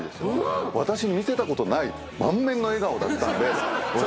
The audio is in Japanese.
私に見せたことない満面の笑顔だったんで私言いましたよ。